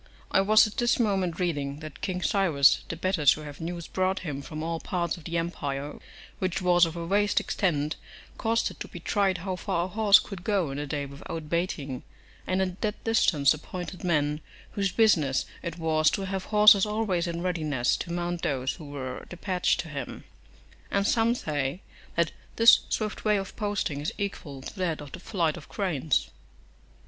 I was at this moment reading, that King Cyrus, the better to have news brought him from all parts of the empire, which was of a vast extent, caused it to be tried how far a horse could go in a day without baiting, and at that distance appointed men, whose business it was to have horses always in readiness, to mount those who were despatched to him; and some say, that this swift way of posting is equal to that of the flight of cranes.